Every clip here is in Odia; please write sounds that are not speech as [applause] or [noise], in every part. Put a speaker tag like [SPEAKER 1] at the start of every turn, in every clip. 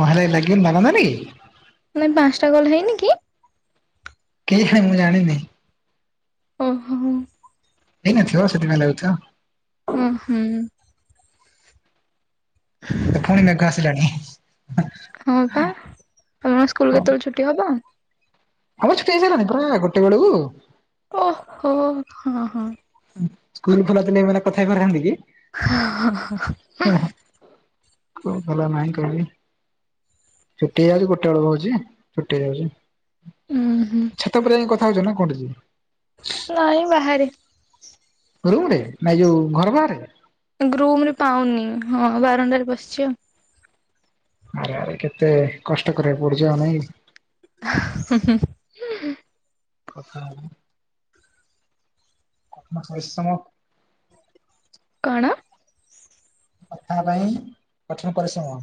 [SPEAKER 1] କଁ ହେଲେ ନାଗିବ ନାନା ନାନି।
[SPEAKER 2] ମାନେ ପାଞ୍ଚଟା କଲ ହେଇନି କି।
[SPEAKER 1] କେଜାଣି ମୁଁ ଜାଣିନି।
[SPEAKER 2] ଓ ହୋ ହ।
[SPEAKER 1] ହେଇ ନଥିବ ସେଥି ପାଇଁ ଲାଗୁଥିବା।
[SPEAKER 2] ଓ ହୁଁ।
[SPEAKER 1] ତ ଫୁଣି ମେଘ ଆସିଲାଣି ହିଁ ହିଁ।
[SPEAKER 2] ହଁ ପା ତମ ସ୍କୁଲ କେତେବେଳେ ଛୁଟି ହବ।
[SPEAKER 1] ଆମର ଛୁଟି ହେଇ ସାରିଲାଣି ପୁରା ଗୋଟେ ବେଳୁକୁ।
[SPEAKER 2] ଓ ହୋ ହଁ ହଁ।
[SPEAKER 1] ସ୍କୁଲ ଖୋଲ ଥିଲେ ମୁଁ ଏଇନା କଥା ହେଇ ପାରିଥାନ୍ତି କି।
[SPEAKER 2] ହଁଅଁ ହଁଅଁ ହଁଅଁ ହୁଁଉଁ
[SPEAKER 1] କଉ ଥିଲା ନାଇଁ କରମୀ। ଛୁଟି ହେଇଯାଉଛି ଗୋଟେ ବେଳକୁ ହଉଛି ଛୁଟି ହେଇଯାଉଛି।
[SPEAKER 2] ଉଁ ହୁଁ
[SPEAKER 1] ଛାତ ଉପରେ ଯାଇଁ କଥା ହଉଛ ନା କୋଉଠି ଯେ।
[SPEAKER 2] ନାଇଁ ବାହାରେ
[SPEAKER 1] ରୁମରେ ନାଇଁ ଏଯୋଉ ଘର ବାହାରେ।
[SPEAKER 2] ଗ୍ରୁମ୍ ରେ ପାଉନି ହଁ ବାରଣ୍ଡାରେ ବସଚି ଆଉ।
[SPEAKER 1] ଆରେ ଆରେ କେତେ କଷ୍ଟ କରିବାକୁ ପଡୁଚି ଆଉ ନାଇଁ।
[SPEAKER 2] ହାଁ ହୁଁ ହୁଁ
[SPEAKER 1] କଥା ହେଲାନି [unintelligible] ସରିଶମ
[SPEAKER 2] କଣ
[SPEAKER 1] କଥା ହେବାପାଇଁ କଠିନ ପରିଶ୍ରମ।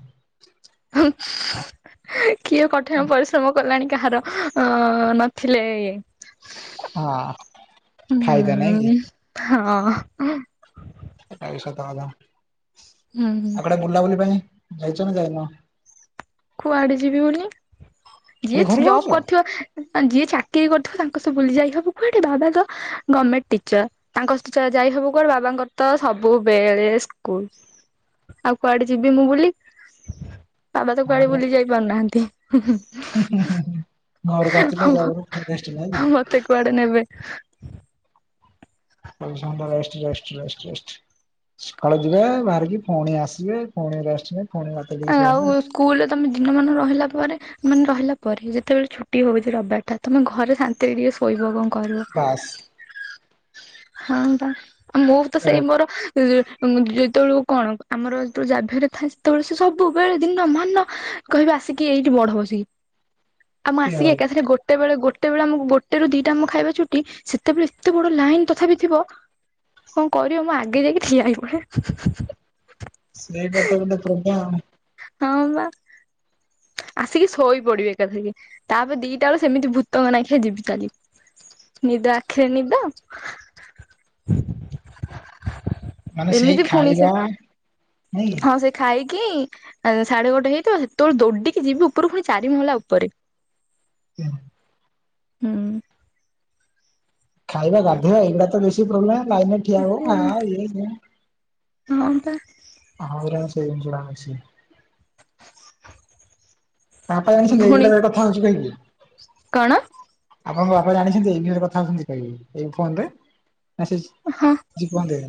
[SPEAKER 2] ହୁଁ ଉଁ ଏଁ କିଏ କଠିନ ପରିଶ୍ରମ କଲାଣି କାହାର ଅଁ ଅଁ ନଥିଲେ ଇଏ
[SPEAKER 1] ହଁ
[SPEAKER 2] ଉଁ
[SPEAKER 1] ଫାଇଦା ନାଇଁ କି?
[SPEAKER 2] ଉଁହୁ। ହଁଅଁ ଉଁ
[SPEAKER 1] ଏଇ ସତ ହେଲା।
[SPEAKER 2] ହୁଁ
[SPEAKER 1] ଆଉ କୁଆଡେ ବୁଲାବୁଲି ପାଇଁ ଯାଇଚ ନା ଯାଇନ।
[SPEAKER 2] କୁଆଡେ ଯିବି ହଉନି ଯିଏ
[SPEAKER 1] ମାନେ ଘରେ
[SPEAKER 2] ଜବ
[SPEAKER 1] ରହୁଛ?
[SPEAKER 2] କରିଥିବ ଯିଏ ଚାକିରି କରିଥିବ ତାଙ୍କ ସବ ବୁଲି ଯାଇ ହବ କୁଆଡେ ବାବା ତ ଗମେଣ୍ଟ ଟିଚର। ତାଙ୍କ ସହ ଯାଇ ହବ କୁଆଡେ ବାବାଙ୍କର ତ ସବୁବେଳେ ସ୍କୁଲ। ଆଉ କୁଆଡେ ଯିବି ମୁଁ ବୁଲି ବାବା ତ କୁଆଡେ ବୁଲି ଯାଇ ପାରୁନାହାଁନ୍ତି।
[SPEAKER 1] ହୁଁ ହୁଁ ହୁଁ ଘର କୁ ଆସିଲେ ଯାଉନ ଗେଷ୍ଟ ନାଇକି
[SPEAKER 2] ମତେ କୁଆଡେ ନେବେ ଉଁ
[SPEAKER 1] ପରିଶ୍ରମ ପରେ ରେଷ୍ଟ ରେଷ୍ଟ ରେଷ୍ଟ ରେଷ୍ଟ। ସକାଳୁ ଯିବେ ବାହାରିକି ପୁଣି ଆସିବେ ପୁଣି ରେଷ୍ଟ ନେଇ ପୁଣି ବତେଇ ଦେଇ ଶୋଇବା କଥା।
[SPEAKER 2] କୁଲରେ ତମେ ଦିନମାନ ରହିଲା ପରେ ମାନେ ରହିଲା ପରେ ଯେତେବେଳେ ଛୁଟି ହଉଛି ରବିବାର ଟା ତମେ ଘରେ ଶାନ୍ତି ରେ ଟିକେ ଶୋଇବ କଣ କରିବ
[SPEAKER 1] ବାସ୍
[SPEAKER 2] ହଁବା ମୋର ତ
[SPEAKER 1] ସେଇଟା
[SPEAKER 2] ସେଇ ମୋର ଏଁ ଉଁ ଯେତେବେଳୁ କଣ ଆମର ଯେଏବେଳେ ଜାଭିୟର ରେ ଥାଏ ସେତେବେଳେ ସେ ସବୁବେଳେ ଦିନମାନ କହିବେ ଆସିକି ଏଇଠି ପଢ ବସିକି। ଆଉ ମୁଁ ଆସିକି ଏକାଥରେ ଗୋଟେ ବେଳେ ଗୋ ଟେ ଅମକୁ ବେଳେ ଗୋଟେ ରୁ ଦିଟା ଆମ ଖାଇବା ଛୁଟି ସେତେବେଳେ ଏତେ ବଡ ଲାଇନ ତଥାପି ଥିବ। କଣ କରିବ ମୁଁ ଆଗେ ଯାଇକି ଠିଆ ହେଇ ପଡେ। ହୁଁ ହୁଁ ହୁଁ
[SPEAKER 1] ସସେଇଟା ତ ଗୋଟେ ପ୍ରୋବ୍ଲେମ
[SPEAKER 2] ହଁ ବା। ଆସିକି ଶୋଇ ପଡିବି ଏକାଥରକେ ତାପରେ ଦିଟା ବେଳେ ସେମିତି ଭୂତଙ୍କ ନାଖେ ଯିବି ଚାଲିକି। ନିଦ ଆଖଏ ନିଦ
[SPEAKER 1] ମାନେ ସେଇ
[SPEAKER 2] ଏମିତି
[SPEAKER 1] ଖାଇବା ନାଇଁ କି?
[SPEAKER 2] ଆଉ ସେ ଖାଇକି ସାଢେ ଗୋଟେ ହେଇଥିବ ସେତେବେଳେ ଦୌଡିକି ଯିବି ଉପରୁ ପୁଣି ଚାରି ମହଲା ଉପରେ।
[SPEAKER 1] [unintelligible]
[SPEAKER 2] ହୁଁଉଁ
[SPEAKER 1] ଖାଇବା ଗାଧେଇବା ଏଗୁଡା ତ ବେଶୀ ପ୍ରୋବ୍ଲେଲେମ୍ ଲାଇନରେ ଠିଆ ହବ ଖା ଇଏ ସିଏ।
[SPEAKER 2] ହଁମ୍ପା
[SPEAKER 1] ହଁ ଗୁରା ସେଇ ଜିନଷ ଟା ବେଶୀ। ତା ବାପା ଯାଣିଛନ୍ତି
[SPEAKER 2] ପୁଣି
[SPEAKER 1] ଏଇଗୁଡାକ ସାଙ୍ଗେ କଥା ହଉଚି କାହିଁକି।
[SPEAKER 2] କଣ?
[SPEAKER 1] ଆପଣଙ୍କ ବାପା ଜାଣିଛନ୍ତି, ଏଇ ଖିଣି ରେ କଥା ହଉଛନ୍ତି, କାଇ ଏଇ ଫୋନରେ, ମେସେଜ
[SPEAKER 2] ଏ ହଁ।
[SPEAKER 1] ଜୀବନ୍ଦେ।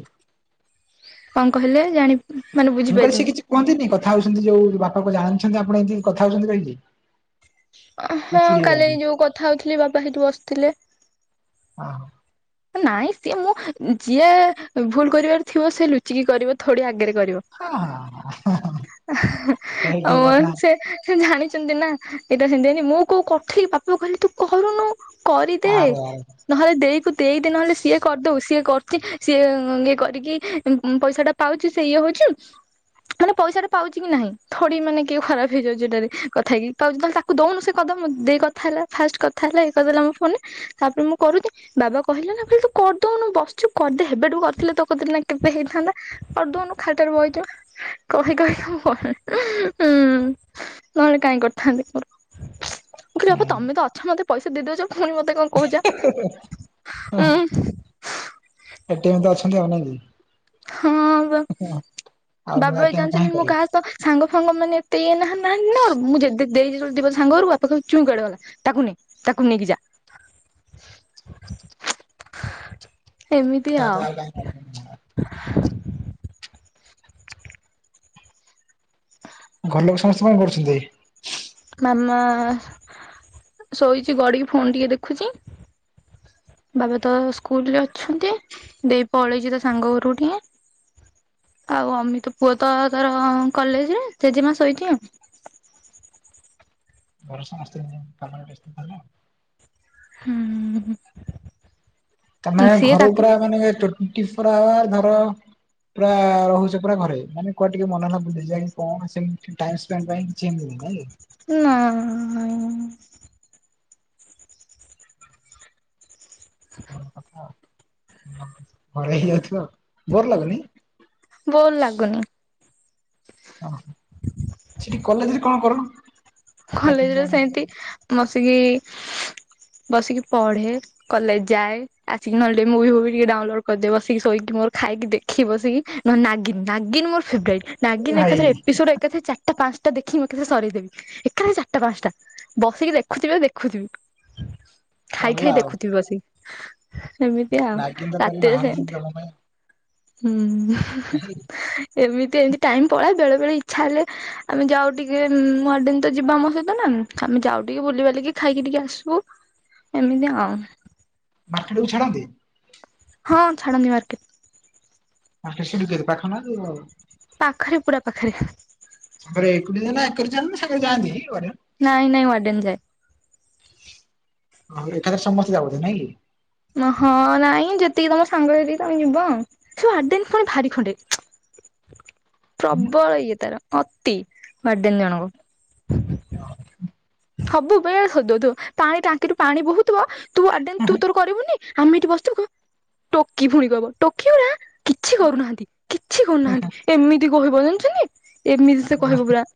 [SPEAKER 2] କଣ କହିଲେ ଜାଣି? ମାନେ
[SPEAKER 1] ମୁଁ କହିଲି ସେ
[SPEAKER 2] ବୁଝିପାରିଲିନି।
[SPEAKER 1] କିଛି କୁହନ୍ତିନି, କଥା ହଉଛନ୍ତି ଯୋଉ ବାପା [unintelligible] ଜାଣିଛନ୍ତି ଆପଣ ଏମିତି କଥା ହଉଛନ୍ତି କହିକି। ନା
[SPEAKER 2] ହଁ,
[SPEAKER 1] ଚିଡି
[SPEAKER 2] କାଲି
[SPEAKER 1] ଯାଆନ୍ତି
[SPEAKER 2] ଏ ଯୋଉ କଥା ହଉଥିଲି ବାପା ହେଇଠି ବସିୁଥିଲେ।
[SPEAKER 1] ହଁ।
[SPEAKER 2] ନାଇଁ ସିଏ ମୁଁ ଯିଏ ଭୁଲ କରିବାର ଥିବ ସିଏ ଲୁଚିକି କରିବ, ଥୋଡି ଆଗରେ କରିବ।
[SPEAKER 1] ହଁ ତାହେଲେ ଠିକ
[SPEAKER 2] ଆମ
[SPEAKER 1] କଥା
[SPEAKER 2] ସେ ସେ ଜାଣିଛନ୍ତି ନା, ଏଇଟା ସେମିତିହେଇନି ମୁଁ କୋଉ କଠେଇ ବାପା କହିଲେ ତୁ କରୁନୁ। କରିଦେ
[SPEAKER 1] ଆରେ ଆରେ
[SPEAKER 2] ନହେଲେ ଦେଇକୁ ଦେଇଦେ ନହେଲେ ସିଏ ସେ କରିଦଉ, ସିଏ କରୁଛି ସିଏ ଇଏ କରିକି ପଇସା ଟା ପାଉଛି ସେ ଇଏ ହଉଛି। ମାନେ ପଇସା ଟା ପାଉଛି କି ନାହିଁ, ଥୋଡି ମାନେ କିଏ ଖରାପ ହେଇଯାଉଛି ଏଟାରେ କଥା ହେଇକି। ତଉ ଯେତଳେ ତାକୁ ଦଉନୁ ସେ କଦ ଦେଇ କଥା ହେଲା ଫାଷ୍ଟ କଥା ହେଲା ଇଏକହିଦେଲା ମୋ ଫୋନରେ। ତାପରେ ମୁଁ କରୁତି ବାବାକୁ କହିଲା ନା ଭାଲି ତୁ କରିଦଉନୁ ବସିଛୁ କରିଦେ, ହେବେଠୁ କରିଥିଲେ ତକତିରେ ନା କେବେ ହେଇଥାନ୍ତା। କରି ଦଉନୁ ଖାଲିଟାରେ ବଇତ, କହି କହି [unintelligible] ହୁଁ। ନହେଲେ କାଇଁ କରିଥାନ୍ତି ମୋର, ମୁଁ କହିଲି ବାପା ତମେ ତ ଅଛ ମତେ ପଇସା ଦେଇଦଉଛ ପୁଣି ମତେ କଣ
[SPEAKER 1] [inaudible] ହୁଁ
[SPEAKER 2] ହଁ।
[SPEAKER 1] ଏଟିଏମ୍ ତ ଅଛନ୍ତି ଆଉ ନା କି?
[SPEAKER 2] ହଁ ବା
[SPEAKER 1] ଆଉ
[SPEAKER 2] ବାବି
[SPEAKER 1] ନୂଆ
[SPEAKER 2] ଭାଇ
[SPEAKER 1] ଏଟିଏମ୍
[SPEAKER 2] ଜାଣିଛନ୍ତି
[SPEAKER 1] କାହିଁ
[SPEAKER 2] ମୁଁ
[SPEAKER 1] କରିବେ।
[SPEAKER 2] କାହା ସହ ସାଙ୍ଗ ଫାଙ୍ଗ ମାନେ ଏତେ ଇଏ ନାହା ନାହାନ୍ତି ନା, ମୁଁ ଯେ ଦେ ଦେଇ ଦିବ ସାଙ୍ଗଘରକୁ ବାପାକହିବେ ଚୁଇଁ କୋଆଡେ ଗଲା। ତାକୁ ନେ ତାକୁ ନେଇକି ଯା। ଏମିତି ଆଉ
[SPEAKER 1] [unintelligible]
[SPEAKER 2] [inaudible] [inaudible]
[SPEAKER 1] ଘର ଲୋକ ସମସ୍ତେ କଣ କରୁଛନ୍ତି?
[SPEAKER 2] ମାମା ଶୋଇଛି ଗଡିକି ଫୋନ ଟିକେ ଦେଖୁଛି। ବାବା ତ ସ୍କୁଲ ରେ ଅଛନ୍ତି, ଦେଇ ପଳେଇଛି ତା ସାଙ୍ଗ ଘରୁ ଟିକେ। ଆଉ ଅମିତ ପୁଅ ତ ତାର କଲେଜରେ ଜେଜେ ମାସୋଇଛି ଆଉ।
[SPEAKER 1] ଘରେ ସମସ୍ତେ ଏଇନେ କାମରେ ବ୍ୟସ୍ତ ଥିବେ।
[SPEAKER 2] ହୁଁ, ହୁଁ।
[SPEAKER 1] ତମେ
[SPEAKER 2] ସିଏ
[SPEAKER 1] ଘର
[SPEAKER 2] ତାକୁ
[SPEAKER 1] ଭିତର ମାନେ ଟୁଣ୍ଟି ଫୋର ଆୱାର ଘର ପୁରା ରହୁଛେ ପୁରାଘରେ ମାନେ କୁଆଡେ ଟିକେ ମନେଲା ବୁଝେଇ କଣ ସେମ ଟାଇମସ ଟାଇମ୍ ମ୍ପାଇଁ। ଚେମ ନାଲି।
[SPEAKER 2] ନା ଇଁ।
[SPEAKER 1] [inaudible] ହଁ ଏଇଠି ଅଛି ବ ବୋର ଲାଗୁନି।
[SPEAKER 2] ବୋର ଲାଗୁନି।
[SPEAKER 1] ଓହୋ [inaudible] ସେଠି କଲେଜ ରେ କଣ କର? ଚାକିରି
[SPEAKER 2] କଲେଜ ରେ
[SPEAKER 1] ଜଏନ
[SPEAKER 2] ସେମତି ବସିକି ବସିକି ପଢେ। କଲେଜ ଯାଏ, ଆସିକି ନହେଲେ ଟିକେ ମୁଁଭି ଫୁବି ଟିକେ ଡାଉନଲୋଡ କରିଦେ ବସିକି ଶୋଇକି ମୋର ଖାଇକି ଦେ ଦେଖି ବସିକି ନହେଲେ ନାଗନ୍ ନାଗିନ୍ ମୋର ଫେବରାଇଟ୍। ନାଗିନ୍
[SPEAKER 1] ଭାଇ
[SPEAKER 2] ଏକାଥରେ ଏପିସୋଡ ଏକାଥରେ ଚାରିଟା, ପାଞ୍ଚଟା ଦେଖିଁ ଏକାଥରେ ସରେଇଦେବି। କଲି ଚାରିଟା ପାଞ୍ଚଟା ବସିକି ଦେଖୁଥିବେ ଦେଖୁଥିବି ଖାଇ ଖାଇ
[SPEAKER 1] ସରିଲା ଆଉ
[SPEAKER 2] ଦେଖୁଥିବି ବସିକି। ଏମିତି ଆଉ
[SPEAKER 1] ନାଗିନ ତ
[SPEAKER 2] ରାତିରେ
[SPEAKER 1] ବାହାରିଛି
[SPEAKER 2] ସେମିତି
[SPEAKER 1] ତମ
[SPEAKER 2] ହୁଁ
[SPEAKER 1] ନା। [inaudible]
[SPEAKER 2] ଏମିତି ଏମତି ଟାଇମ୍ ପଳା ବେଳେ ବେଳେ ଇଛା ହେଲେ ଆମେ ଯାଉ ଟିକେ ମଡନ୍ ତ ଯିବ ଆମ ସହିତ ନା ଆମେ ଯାଉ ଟିକେ ବୁଲିିବାଲିକି ଖାଇକି ଟିକେ ଆସୁ ଏମିତି ଆଉ।
[SPEAKER 1] ମାର୍କେଟ କୁ ଛାଡନ୍ତି?
[SPEAKER 2] ହଁ ଛାଡନ୍ତି ମାର୍କେ।
[SPEAKER 1] ପା ସେଠ ପାଖ [inaudible]
[SPEAKER 2] ପାଖରେ ପୁରା ପାଖରେ।
[SPEAKER 1] ସର ଏକ ଜଣ ଏକ ଜଣ ନା ସ ଜାନ୍ତି। [inaudible]
[SPEAKER 2] ନାଇଁ ନାଇଁ ୱାଡ଼େନ୍ ଯାଏ।
[SPEAKER 1] ହଉ ଏକଥାରେ ସମସ୍ତେ ଯାଉଚ ନାଇଁ କି
[SPEAKER 2] ହଁ ନାଇଁ ଯେତିକି ତମ ସାଙ୍ଗରେ ଯେତିକି ତମେ ଯିବ ଆଉ। ସେ ୱାଡେନ୍ ପୁଣି ଭାରି ଖଣ୍ଡେ।
[SPEAKER 1] ହୁଁ।
[SPEAKER 2] ପ୍ରବଳ ଇଏ ତାର ଅତି ୱାଡେନ୍ ଜଣକ। ସବୁ ବେଳେ ସୋଦଉ ଥିବ ପାଣି ଟାଙ୍କିରୁ ପାଣି ବୋହୁଥିବ ତୁ ଆଟେନ୍ ତୁ ତୋର କରିବୁନି ଆମେ ଏଠି ବସିଥିବୁ ଟୋକି ପୁଣି କହିବ ଟୋକି ଗୁଡା କିଛି କରୁନାହାନ୍ତି କିଛି କରୁନାହାନ୍ତି। ଏମିତି କହିବ ଜାଣିଛନ୍ତି ଏମିତି ସେ କହିବ ପୁରା।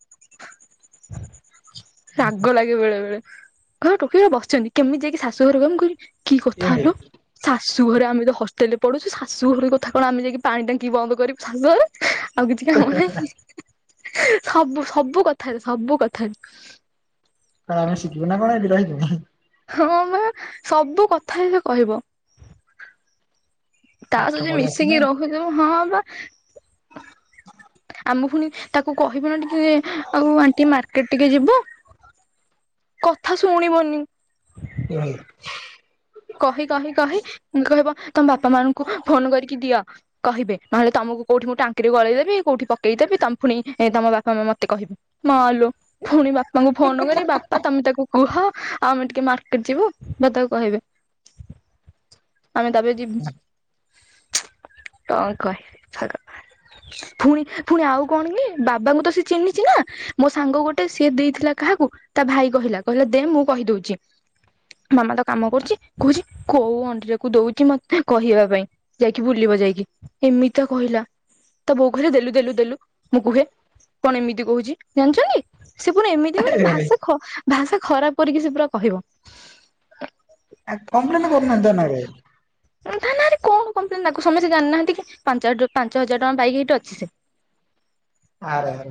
[SPEAKER 2] ରାଗ ଲାଗେ ବେଳେ ବେଳେ କହିବ ଟୋକି ଗୁଡା ବସଛନ୍ତି କେମିତି ଯାଇକି ଶାଶୁ ଘର କାମ ମୁଁ କହିଲି କି
[SPEAKER 1] ଏ ଭାଇ
[SPEAKER 2] କଥାଲୋ। ଶାଶୁ ଘରେ ଆମେ ତ ହଷ୍ଟେଲେରେ ପଢୁଛୁ ଶାଶୁ ଘର କଥା କଣ ଆମେ ଯାଇକି ପାଣି ଟାଙ୍କି ବନ୍ଦ କରିଶାଶୁ। ଆଉ କିଛି କାମ ନାହିଁ ସବୁ ସବୁ କଥାରେ ସବୁ କଥାରେ।
[SPEAKER 1] କଣ ଆମେ ଶିଝିବୁ ନା କଣ ଏଠି ରହିକି।
[SPEAKER 2] ହଁ ମା ସବୁ କଥାରେ ସେ କହିବ। ତା
[SPEAKER 1] ପାଠ
[SPEAKER 2] ସହ ଯିଏ
[SPEAKER 1] ପଢି ଆସିଛୁ ନା
[SPEAKER 2] ମିଶିକି ରହୁଥିଵ ହଁ ହଁ ଆମ ପୁଣି ତାକୁ କହିବୁ ନା ଟିକେ ଆଉ ଆଣ୍ଟି ମାର୍କେଟ୍ ଟିକେ ଯିବୁ କଥା ଶୁଣିବନି।
[SPEAKER 1] ଭଲ। [inaudible]
[SPEAKER 2] କହି କହି କହି କହିବ ତମ ବାପା ମାଙ୍କୁ ଫୋନ୍ କରିକି ଦିଅ କହିବେ ନହଲେ ତମକୁ କୋଉଠି ମୁଁ ଟାଙ୍କିରେ ଗଳେଇ ଦେବି କୋଉଠି ପକେଇ ଦେବି ତମ ପୁଣି ତମ ବାପା ମତେ କହିବେ। ମା ଲୋ ଫୁଣି ବା ତାଙ୍କୁ ଫୋନ୍ କରି ବାପା ତମେ ତାକୁ କୁହ ଆଉ ଆମେ ଟିକେ ମାର୍କେଟ ଯିବୁ ବା ତାକୁ କହିବେ। ଆମେ ତାପରେ ଯି କଣ କହିବି ଛାଡ଼। ପୁଣି ପୁଣି ଆଉ କଣ କି ବାବାଙ୍କୁ ତ ସେ ଚିହ୍ନିଛି ନା ମୋ ସାଙ୍ଗ ଗୋଟେ ସିଏ ଦେଇଥିଲା କାହାକୁ ତା ଭାଇ କହିଲା କହିଲା ଦେ ମୁଁ କହିଦଉଛି। ମାମା ତ କାମ କରୁଛି କହୁଛି କୋଉ ଅଣ୍ଡିରାକୁ ଦଉଛି ମତେ କହିବା ପାଇଁ ଯାଇକି ବୁଲିବ ଯାଇକି। ଏମିତିଆ କହିଲା। ତା ବୋଉ କହିଲା ଦେଲୁ ଦେଲୁ ଦେଲୁ ମୁଁ କୁହେ କଣ ଏମିତି କହୁଛି ଜାଣିଛନ୍ତି ସେ ପୁଣି ଏମତି ମାନେ
[SPEAKER 1] ଏ ଭାଇ
[SPEAKER 2] ଭାଷା ଭାଷା ଖରାପ୍ କରିକି ସେ ପୁରା କହିବ
[SPEAKER 1] ଆ କମ୍ପ୍ଲେନ୍ କରୁନାହାନ୍ତି ତା ନାଁରେ?
[SPEAKER 2] ତାଙ୍କ ନାରେ କଣ କମ୍ପ୍ଲେନ୍ ତାକୁ ସମସ୍ତେ ଜାଣିନାହାନ୍ତି କି ପା ପାଞ୍ଚ ହଜାର ଟଙ୍କା ପାଇକି ଏଇଠି ଅଛି ସେ। ତ କ [unintelligible]
[SPEAKER 1] ଆରେ ଆରେ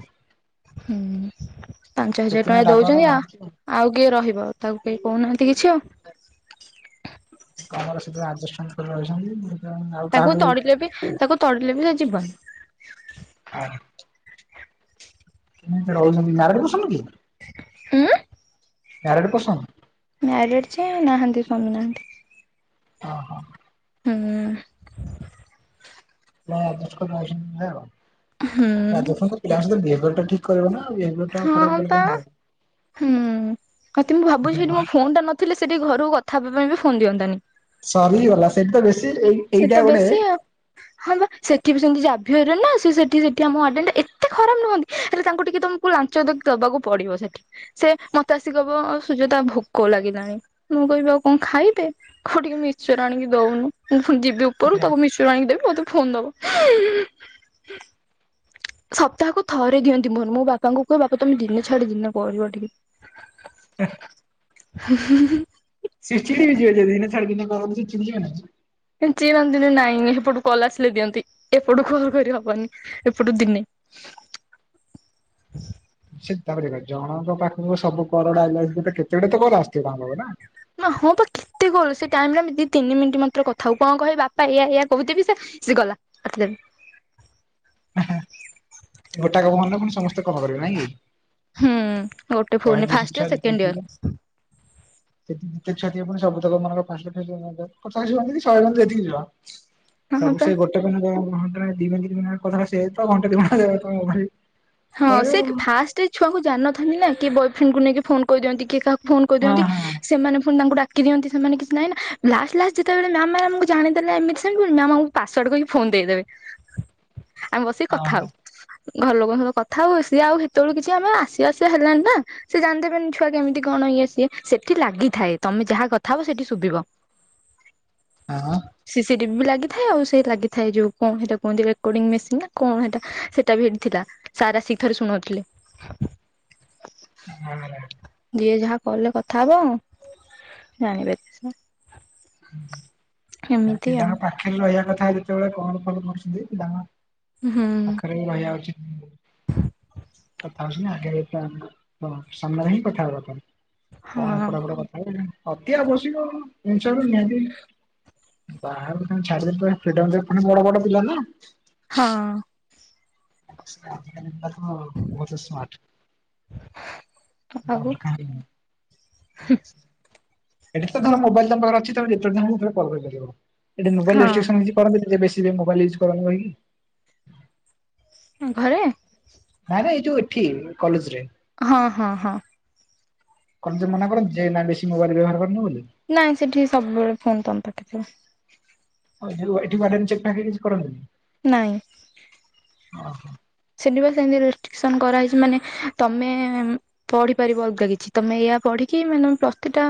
[SPEAKER 2] ହୁଁ ପାଞ୍ଚ ହଜାର ଟଙ୍କା
[SPEAKER 1] ସେଥିପାଇଁ ରାଗଟା
[SPEAKER 2] ଦଉଛନ୍ତି ଆ
[SPEAKER 1] ବାହାରୁଛି
[SPEAKER 2] ଆଉ କିଏ ରହିବ ତାକୁ କେହି କହୁନାହାନ୍ତି କିଛି ଆଉ
[SPEAKER 1] କମର ସେଥି ରାଜାନ ରହିଛନ୍ତି ଆଉ
[SPEAKER 2] ତାକୁ
[SPEAKER 1] କାହାକୁ
[SPEAKER 2] ତଡିଲେ ବି ତାକୁ ତଡ଼ିଲେ ବି ସେ ଯିବନି
[SPEAKER 1] ହ କେମିତି ରହିଛନ୍ତି ନାରୀ ବସନୁ କି
[SPEAKER 2] ଉଁ
[SPEAKER 1] ଏୟାରେଡ଼ ପସଙ୍ଗ
[SPEAKER 2] ମ୍ୟାରିଡ଼୍ ଯେ ନାହାନ୍ତି ସ୍ୱାମୀ ନାହାନ୍ତି
[SPEAKER 1] ଓହୋ
[SPEAKER 2] ହଁ
[SPEAKER 1] ଛଟ ପିଲାଙ୍କର
[SPEAKER 2] ହୁଁ
[SPEAKER 1] ବିହେବର ଟା ଠିକ କରିବ ନା ବିହେବର
[SPEAKER 2] ହଁ ତା ହୁଁ ଅତି ମୁଁ ଭାବୁଛି ଏଇଠି ମୋ
[SPEAKER 1] ବ୍ୟବହାର
[SPEAKER 2] ଫୋନ ଟା ନ ଥିଲେ ସେଠି ଘରକୁ କଥା ହେବା ପାଇଁ ବି ଫୋନ ଦିଅନ୍ତାନି
[SPEAKER 1] ସରିଗଲା ସେଇଠି ତ ବେଶୀ ଏଇ
[SPEAKER 2] ସେ
[SPEAKER 1] ଏଇଟା
[SPEAKER 2] ତ
[SPEAKER 1] ଗୋଟେ
[SPEAKER 2] ବେଶୀ ଆଉ ହଁ ବା ସେଠି ବି ସେମତି ଜାିଭିୟରେ ନା ସେଠି ସେଠି ଆମ ୱାଡ଼େନ ଏତେ ଖରାପ ନୁହନ୍ତି ହେଲେ ତାଙ୍କୁ ଟିକେ ତମକୁ ଲାଞ୍ଚି ଦବାକୁ ପଡିବ ସେଠି ସେ ମତେ ଆସି କହିବ ସୁଯତା ଭୋକ ଲାଗିଲାଣି ମୁଁ କହିବି ଆଉ କଣ ଖାଇଦେ କୋଉ ଟିକେ ମିକ୍ସଚର ଆଣିକି ଦଉନୁ ମୁଁ ପୁଣି ଯିବି ଉପରୁ ତାକୁ ମିକ୍ସଚର ଆଣିକି ଦେବି ମୋତେ ଫୋନ ଦବ ସପ୍ତାହକୁ ଥରେ ଦିଅନ୍ତି ମୋହର ମୋ ବାପାଙ୍କୁ କୁହ ବାପା ତମେ ଦିନେ ଛାଡି ଦିନେ କରିବ ଟିକେ ହ [unintelligible]
[SPEAKER 1] ସେ ଚିଡି ବି ଯିବେ ଯେ ଦିନେ ଛାଡ଼ି ଦିନେ କରନ୍ତି
[SPEAKER 2] ସେ ଚିଡ଼ନ୍ତିନି ନାଇଁ ଏପଟୁ କଲ୍ ଆସିଲେ ଦିଅନ୍ତି ଏପଟୁ କଲ୍ କରି ହବନି ଏପଟୁ ଦିନେ
[SPEAKER 1] ସେ ତାପରେ ଜଣଙ୍କ ପାଖକୁ ସବୁ କଲ ଗୁଡା ଆଇଲା ବେଳକୁ କେତେ ଗୁଡ଼େ ତ କଲ ଆସୁ ଥିବନା
[SPEAKER 2] ହଁ ବା କେତେ କଲ୍ ସେ ଟାଇମ ରେ ଆମେ ଦି ତିନି ମିନିଟ୍ ମାତ୍ର କଥା ହଉ କଣ କହେ ବାପା ୟା ୟା କହିହୁଥିବି ସେ ସେ ଗଲା ଆସଥିଲେ ବି
[SPEAKER 1] ହଁ ହଁ ଗୋଟା ଫନ ରେ ପୁଣି ସମସ୍ତେ କଲ କରିବେ ନାଇଁ କି
[SPEAKER 2] ହୁଁ ଗୋଟେ ଫନ
[SPEAKER 1] ଶହେ
[SPEAKER 2] ରେ
[SPEAKER 1] ଦୁଇଶହ
[SPEAKER 2] ଫାଷ୍ଟ
[SPEAKER 1] ଛୁଆ
[SPEAKER 2] ଇୟର ସେକେଣ୍ଡ ଇୟର
[SPEAKER 1] ସେି ଯେତେ ଛ ସବୁ ଲୋକ ମାନଙ୍କ ଫାଚଶୀ କି ଶହେ ବି ଯେତିକି ଯ [unintelligible]
[SPEAKER 2] ହଁ
[SPEAKER 1] ସବୁ
[SPEAKER 2] ପା
[SPEAKER 1] ସେ ଗଟେ ଘଣ୍ଟ ଦନ କଥା ସେ ତ ଘଣ୍ଟାା [unintelligible]
[SPEAKER 2] ହଁ ସେଠ ଫାଷ୍ଟ ଏଇ ଛୁଆକୁ ଜାଣିନଥାନ୍ତି ନା କିଏ ବୟ ଫ୍ରେଣ୍ଡକୁ ନେଇକି ଫୋନ କରିଦିନ୍ତି କିଏ କାହାକୁ ଫୋନ
[SPEAKER 1] ହଁ
[SPEAKER 2] କରିଦିଅନ୍ତି ସେମାନେ ପୁଣି ତାଙ୍କୁ ଡା କି ଦଅନ୍ତି ସେମାନେ କିଛି ନାଇଁ ନା ଲାଷ୍ଟ ଲାଷ୍ଟ ଯେତେବେଳେ ମ୍ୟାମ ମ ଆମକୁ ଜାଣିଦେଲେ ଏମିତି ସେମିତି ମ୍ୟାମ୍ ଆ ପାସୱାର୍ଡ କହିକି ଫୋନ ଦେଇଦେବେ ଆମେ ବସିକି
[SPEAKER 1] ହଁ
[SPEAKER 2] କଥା
[SPEAKER 1] ହଁ
[SPEAKER 2] ହଉ ଘର ଲୋକଙ୍କ କଥା ହଉ ସି ଆଉ ସେତେବେଳଳେ କିଛି ଆମେ ଆସିବା ଆସିବା ହେଲାଣି ନା ସେ ଜାଣିଦେବେନି ଛୁଆ କେମିତି କଣ ଇଏ ସିଏ ସେଠି ଲାଗିଥାଏ ତମେ ଯାହା କଥା ହବ ସେଠି ଶୁଭିବ ଓ [inaudible]
[SPEAKER 1] ହଁ
[SPEAKER 2] ସିସି ଟିଭି ବି ଲାଗିଥାଏ ଆଉ ସେ ଲାଗିଥାଏ ଯୋଉ କଣ ହେଟା କୁହନ୍ତି ରେକଡିଂ ମେସିନ ନା କଣ ହେଟା ହେଟା ହେଟି ଥିଲା ସାରା ଆସିକି ଥରେ ଶୁଣଉଥିଲେ
[SPEAKER 1] [unintelligible]
[SPEAKER 2] ଯିଏ ଯାହା କଲ ରେ କଥା ହବ ଜାଣିବେ ସା
[SPEAKER 1] ହୁଁ ଏ
[SPEAKER 2] ଏମିତି ଆଉ
[SPEAKER 1] ପିଲାଙ୍କ ପାଖରେ ରହିବା କଥା ଯେତେବେଳେ କଲ ଫଲ କରୁଛନ୍ତି ପିଲାଙ୍କ
[SPEAKER 2] ହୁଁ।
[SPEAKER 1] [unintelligible] ରହିବା ଉଚିତ। [unintelligible] ଆଗରେ ତା ହଁ ସାମନାରେ ହି କଥା ହେବ ପାଇଁ। କଣ
[SPEAKER 2] ହଁ
[SPEAKER 1] ଏପଟାପଟ କଥାକୁ ବାହାରକୁ କଣ ଛାଡ଼ିଦେବେ ଫ୍ରୀଡ଼ମ ରେ ପୁଣି ବଡ ବଡ ପିଲା ନା।
[SPEAKER 2] ହଁ।
[SPEAKER 1] ଆଜି କାଲି ପିଲା ତ ବହୁତ ସ୍ମାର୍ଟ।
[SPEAKER 2] ଆଉ
[SPEAKER 1] [unintelligible] ଏଠି ତ ଧର ମୋବାଇଲ ତମ ପାଖରେ ଅଛି ତମେ ଯେତେବେଳେ ଚାହିଁବ ସେତେ କଲ ପାରିବ। ଏଠି ମୋବାଇଲ
[SPEAKER 2] ହଁ
[SPEAKER 1] ରେଷ୍ଟିରିକ୍ସନ କିଛି କରନ୍ତିନି ଯିଏ ବେଶୀ ୟ ମୋବଲ ୟୁଜ୍ କର କହିକି?
[SPEAKER 2] ହଁ ଘରେ?
[SPEAKER 1] ନାଇଁ ନାଇଁ ଏଇ ଯୋଉ ଏଠି କଲେଜ ରେ?
[SPEAKER 2] ହଁ ହଁ ହଁ।
[SPEAKER 1] କଲେଜ ରେ ମନା କରନ୍ତି ଯେ ନାଇ ବେଶୀ ମୋବାଇଲ ବ୍ୟବହାର କରନୁ ବୋଲି?
[SPEAKER 2] ନାଇଁ ସେଠି ସବୁବେଳେ ଫୋନ ତମ ପାଖେ ଥିବ।
[SPEAKER 1] ଉ ଯଉ ଏଠି [unintelligible] ଚେକ ଫାକ କିଛି କରନ୍ତିନି?
[SPEAKER 2] ନାଇଁ।
[SPEAKER 1] ଓ ହୋ
[SPEAKER 2] ସେଠି ବା ସେମତି ରେଷ୍ଟ୍ରିକସନ କରାହେଇଛି ମାନେ ତମେ-ଏ-ଏ-ଏ ପଢିପାରିବ ଅଲଗା କିଛି ତମେ ଏୟା ପଢିକି ମାନେ ପ୍ଲସ ଥ୍ରୀ ଟା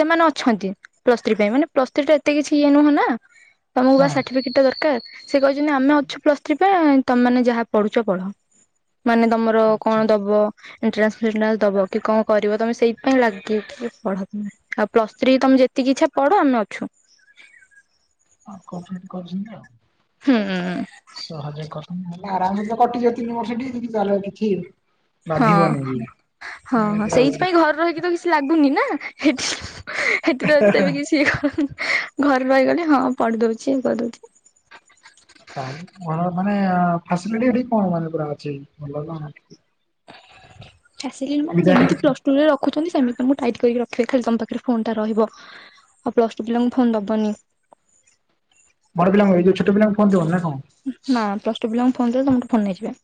[SPEAKER 2] ସେମାନେ ଅଛନ୍ତି ପ୍ଲସ ଥ୍ରୀ ପାଇଁ ମାନେ ପ୍ଲସ ଥ୍ରୀ ଟା ଏତେ କିଛି ଇଏ ନୁହଁ ନା। ତମକୁ ବା
[SPEAKER 1] ହଁ
[SPEAKER 2] ସାର୍ଟିଫିକେଟ୍ ଟା ଦରକାର ସେ କହିଛନ୍ତି ଆମେ ଅଛୁ ପ୍ଲସ୍ ଥ୍ରୀ ପାଇଁ ଆ-ଆ ତମେ ମାନେ ଯାହା ପଢୁଛ କଣ ମାନେ ତମର
[SPEAKER 1] ଆଚ୍ଛା
[SPEAKER 2] କଣ ଦବ ଏଣ୍ଟାନ୍ସ ଫେଣ୍ଟାନ୍ସ୍ ଦବ କି କଣ କରିବ ତମେ ସେଇଥି ପାଇ ଲାଗିକି ପଢ ଆଉ ପ୍ଲସ ଥ୍ରୀ ତମେ ଯେ ଯେତିକି ଇଚ୍ଛା ପଢ ଆମେ ଅଛୁ।
[SPEAKER 1] ଆଉ କପରେଟ କରୁଛନ୍ତି ଆଉ
[SPEAKER 2] ହୁଁ-ଉ-ଉ।
[SPEAKER 1] ସହଜ କଥା ହେଲେ ଆରାମସେ କଟିଯିବ ତିନି ବର୍ଷ ଟି ତାହେଲେ କିଛି
[SPEAKER 2] ହଁ
[SPEAKER 1] ବାଧିବନି ବି
[SPEAKER 2] ହଁ
[SPEAKER 1] ଏ
[SPEAKER 2] ହଁ
[SPEAKER 1] ପୁରା ଇଜି।
[SPEAKER 2] ସେଇଥିପାଇଁ ଘରେ ରହିକି ତ କିଛି ଲାଗୁନି ନା ସେଠି ସେଠି ତ ଏତେ ବି କିଛି ଘରେ ରହିଗଲେ ହଁ ପଢି ଦଉଛି ଇଏ କରି ଦଉଛି।
[SPEAKER 1] ତାହେଲେ କଣ ମାନେ-ଏ-ଏ ଫାସିଲିଟି ଏଠି କଣ ମାନେ ପୁରା ଅଛି ଭଲ କଣ?
[SPEAKER 2] ଫ୍ୟାସିଲିଟି ମାନେ
[SPEAKER 1] ବିଦ୍ୟାଳୟ
[SPEAKER 2] ଯେମିତି ପ୍ଲଶ୍ [unintelligible] ରଖୁଛନ୍ତି ସେମତି ତମକୁ ଟାଇଟ କରି ରଖିବ ଖାଲି ତମ ପାଖରେ ଫୋନ ଟା ରହିବ ଆଉ ପ୍ଲସ ଟୁ ପିଲାଙ୍କୁ ଫୋନ ଦବନି।
[SPEAKER 1] ବଡ ପିଲାଙ୍କୁ ଏଇ ଛୋଟ ପିଲାଙ୍କୁ ଫୋନ୍ ଦେବନି ନା କଣ?
[SPEAKER 2] ନାଁ ପ୍ଲସ୍ ଟୁ ପିଲାଙ୍କୁ ଫୋନ ଦେବ ତମଠୁ ଫୋନ ନେଇଯିବେ।